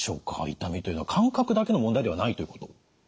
痛みというのは感覚だけの問題ではないということ？